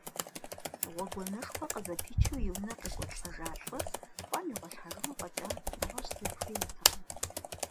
Гъуэгуанэшхуэ къызэпичу и унэ къекӏуалӏэжа лӏыр пӏэм игъуэлъхьэну фӏэкӏа нэгъуэщӏ зыри хуейтэкъым.